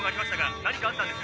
何かあったんですか？